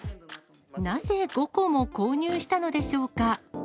なぜ５個も購入したのでしょ